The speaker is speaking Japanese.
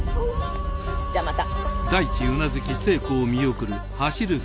じゃあまた。